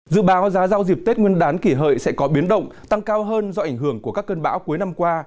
dự báo giá rau dịp tết nguyên đán kỷ hợi sẽ có biến động tăng cao hơn do ảnh hưởng của các cơn bão cuối năm qua